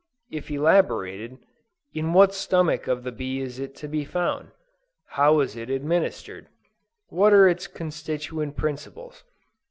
If elaborated, in what stomach of the bee is it to be found? How is it administered? What are its constituent principles?